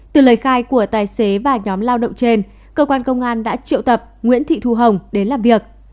từ lời khai của tài xế và nhóm lao động trên cơ quan công an đã triệu tập nguyễn thị thu hồng đến làm việc